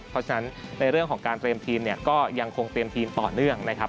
เพราะฉะนั้นในเรื่องของการเตรียมทีมเนี่ยก็ยังคงเตรียมทีมต่อเนื่องนะครับ